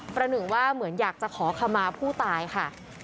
หนึ่งว่าเหมือนอยากจะขอขมาผู้ตายค่ะ